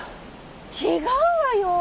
違うわよ！